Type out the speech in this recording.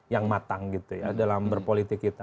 yang matang gitu ya dalam berpolitik kita